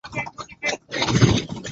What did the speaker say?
Mvua mingi ilileta mafuriko kijijini